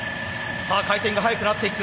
さあ回転が速くなっていく。